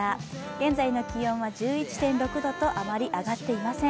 現在の気温は１１．６度とあまり上っていません。